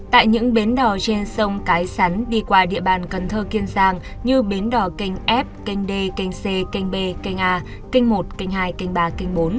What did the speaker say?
tại những bến đò trên sông cái sắn đi qua địa bàn cần thơ kiên giang như bến đò kênh f kênh d kênh c kênh b kênh a kênh một kênh hai kênh ba kênh bốn